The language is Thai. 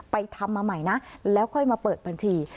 ทำมาใหม่นะแล้วค่อยมาเปิดบัญชี